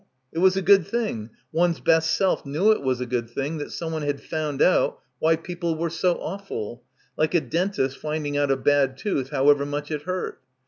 It was a good thing, one's best self knew it was a good thing that someone had found out why people were so awful; like a dentist finding out a bad tooth however much it hurt.